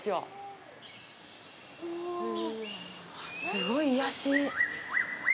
すごい癒やし。